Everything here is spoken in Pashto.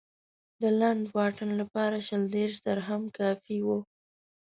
د لنډ واټن لپاره شل دېرش درهم کافي و.